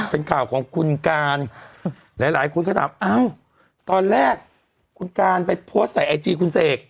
เป็นข่าวของคุณการหลายคนก็ถามอ้าวตอนแรกคุณการไปโพสต์ใส่ไอจีคุณเสก